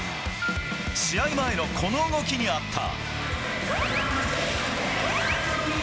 試合前のこの動きにあった。